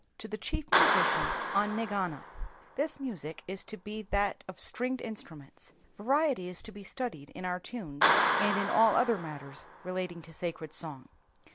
^To the Chief Musician on Nsginoth. The music toas to be ihat of stringed in struments. Variety is to be studied in our tunes, and in all other matters relating to sacred song.